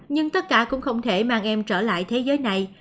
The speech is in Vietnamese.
nhưng tất cả cũng không thể mang em trở lại thế giới này